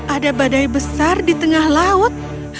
ada badai besar di tengah laut